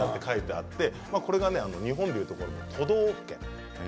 かっこの中のＣＢが日本でいうところの都道府県。